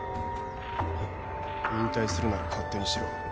引退するなら勝手にしろ。